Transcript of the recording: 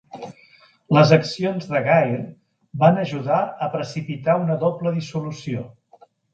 Les accions de Gair van ajudar a precipitar una doble dissolució.